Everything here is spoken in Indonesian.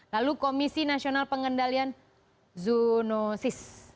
lalu komisi nasional pengendalian zoonosis